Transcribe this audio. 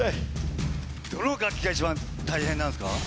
どの楽器が一番大変なんですか？